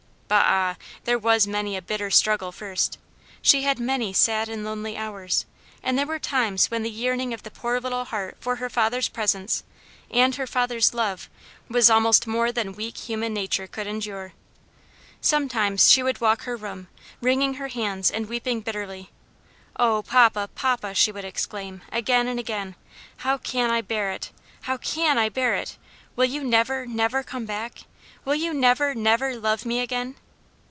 But ah! there was many a bitter struggle, first! She had many sad and lonely hours; and there were times when the yearning of the poor little heart for her father's presence, and her father's love, was almost more than weak human nature could endure. Sometimes she would walk her room, wringing her hands and weeping bitterly. "Oh, papa! papa!" she would exclaim, again and again, "how can I bear it? how can I bear it? will you never, never come back? will you never, never love me again?"